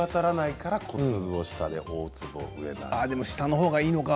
でも下のほうがいいのかな？